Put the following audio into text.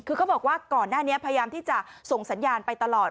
คือเขาบอกว่าก่อนหน้านี้พยายามที่จะส่งสัญญาณไปตลอด